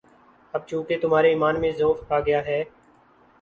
اب چونکہ تمہارے ایمان میں ضعف آ گیا ہے،